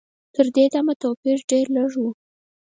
تر دې دمه توپیر ډېر لږ و.